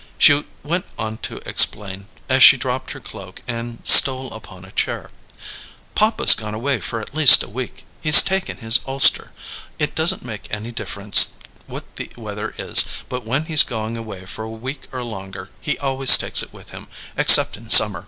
She went on to explain, as she dropped her cloak and stole upon a chair: "Papa's gone away for at least a week. He's taken his ulster. It doesn't make any difference what the weather is, but when he's going away for a week or longer, he always takes it with him, except in summer.